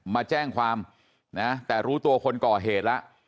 มาแจ้งความนะแต่รู้ตัวคนก่อเหตุแล้ว